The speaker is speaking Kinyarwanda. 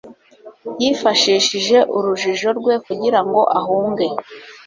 Yifashishije urujijo rwe kugira ngo ahunge.